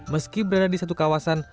meski berada di satu kawasan